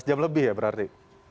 dua belas jam lebih ya berarti